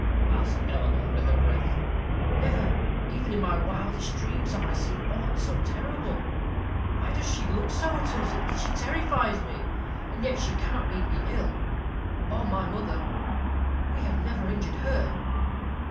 asked Eleanor, under her breath. "Never, even in my wildest dreams, have I seen aught so terrible. Why does she look so at us? She terrifies me; and yet she cannot mean me ill, or my mother we have never injured her?"